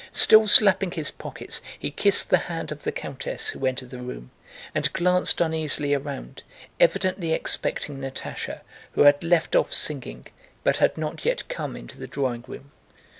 Still slapping his pockets, he kissed the hand of the countess who entered the room and glanced uneasily around, evidently expecting Natásha, who had left off singing but had not yet come into the drawing room.